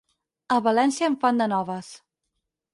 A València en fan de noves.